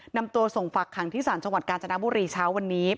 นำตัวส่งฝักขังที่ศาลจังหวัดกาญจนบุรีเช้าวันนี้